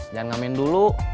jangan ngamen dulu